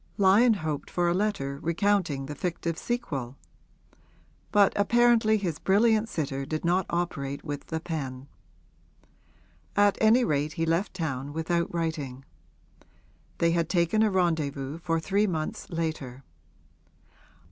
Lyon hoped for a letter recounting the fictive sequel; but apparently his brilliant sitter did not operate with the pen. At any rate he left town without writing; they had taken a rendezvous for three months later.